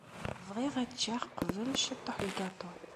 Bɣiɣ ad ččeɣ qbel ciṭuḥ n lgaṭu.